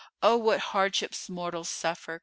Oh, what hardships mortals suffer!"